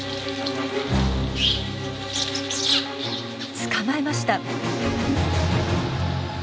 捕まえました！